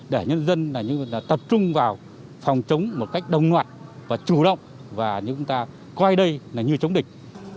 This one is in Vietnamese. để nhân dân tập trung vào phòng chống một cách đồng loạt và chủ động và chúng ta coi đây là như chống địch